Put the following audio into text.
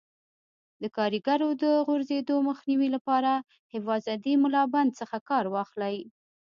د کاریګرو د غورځېدو مخنیوي لپاره حفاظتي ملابند څخه کار واخلئ.